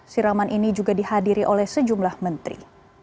siraman ini juga dihadiri oleh sejumlah menteri